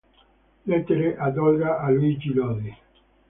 Lettere ad Olga e Luigi Lodi.